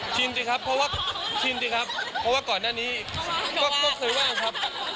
ชินจริงครับเพราะว่าก่อนหน้านี้ก็เคยว่างครับ